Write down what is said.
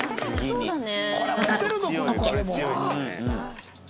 そうだね。